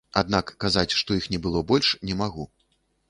Аднак казаць, што іх не было больш, не магу.